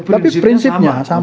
tapi prinsipnya sama